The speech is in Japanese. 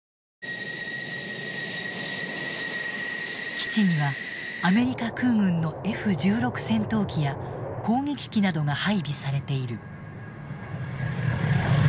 基地にはアメリカ空軍のＦ１６戦闘機や攻撃機などが配備されている。